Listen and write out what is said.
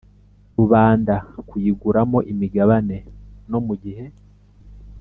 Rubanda kuyiguramo imigabane no mu gihe